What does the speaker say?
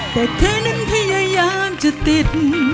แต่เธอนั้นพยายามจะติด